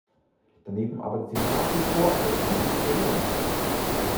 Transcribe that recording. Daneben arbeitet sie nach wie vor in der freien Szene.